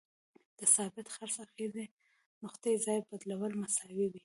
د ثابت څرخ اغیزې نقطې ځای بدلول مساوي دي.